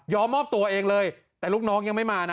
มอบตัวเองเลยแต่ลูกน้องยังไม่มานะ